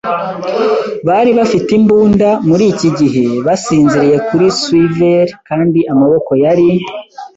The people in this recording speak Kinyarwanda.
Bari bafite imbunda, muri iki gihe, basinziriye kuri swivel, kandi Amaboko yari